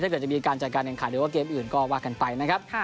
เกิดจะมีการจัดการแข่งขันหรือว่าเกมอื่นก็ว่ากันไปนะครับ